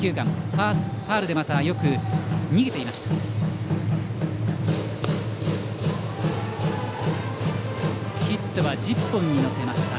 ファウルでよく逃げていました。